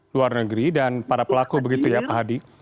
luar negeri dan para pelaku begitu ya pak hadi